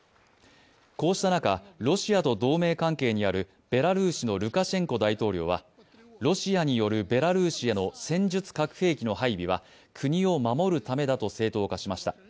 こうした中、ロシアと同盟関係にある、ベラルーシのルカシェンコ大統領はロシアによるベラルーシへの戦術核兵器の配備は国を守るためだと正当化しました。